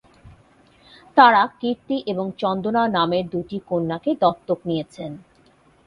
তাঁরা কীর্তি এবং চন্দনা নামে দুটি কন্যাকে দত্তক নিয়েছেন।